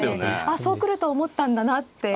ああそう来ると思ったんだなって。